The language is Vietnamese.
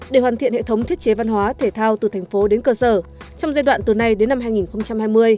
để hoàn thiện hệ thống thiết chế văn hóa thể thao từ thành phố đến cơ sở trong giai đoạn từ nay đến năm hai nghìn hai mươi